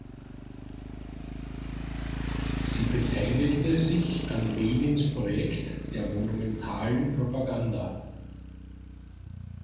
Sie beteiligte sich an Lenins Projekt der Monumentalen Propaganda.